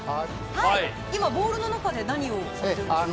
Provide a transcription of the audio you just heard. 今、ボウルの中で何を作っているんですか。